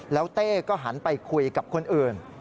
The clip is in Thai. แล้วเต้ก็หันไปคุยกับคนอื่น